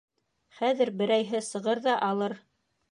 Хәҙер берәйһе сығыр ҙа алыр.